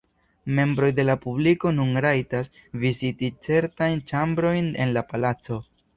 Membroj de la publiko nun rajtas viziti certajn ĉambrojn en la palaco.